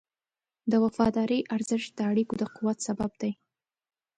د وفادارۍ ارزښت د اړیکو د قوت سبب دی.